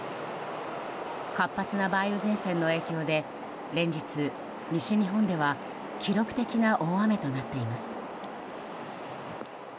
活発な梅雨前線の影響で連日、西日本では記録的な大雨となっています。